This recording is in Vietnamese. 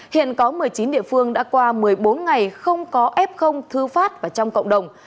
hiện có một mươi chín địa phương đã qua một mươi bốn ngày không có f thư phát và trong cộng đồng